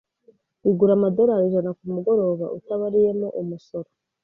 Igura amadorari ijana kumugoroba utabariyemo umusoro.